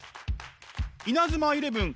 「イナズマイレブン」